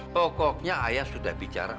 pokoknya ayah sudah bicara